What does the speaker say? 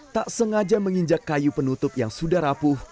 tak sengaja menginjak kayu penutup yang sudah rapuh